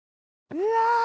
うわ！